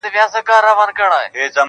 راښكاره سوې سرې لمبې ياغي اورونه-